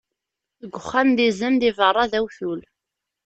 Deg uxxam d izem, di beṛṛa d awtul.